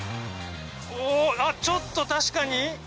おあっちょっと確かに。